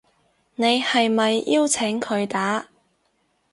你係咪邀請佢打